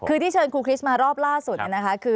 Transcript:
คือที่เชิญครูคริสต์มารอบล่าสุดเนี่ยนะคะคือ